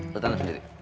lu tanem sendiri